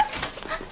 あっ。